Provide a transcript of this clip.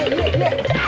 senang lu kalo begini ya